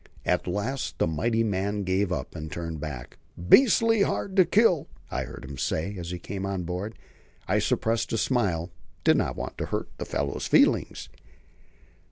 At last the mighty man gave up and turned back. "Beastly hard to kill," I heard him say, as he came on board. I suppressed a smile did not want to hurt the fellow's feelings.